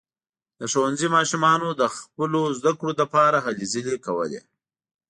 د ښوونځي ماشومانو د خپلو زده کړو لپاره هلې ځلې کولې.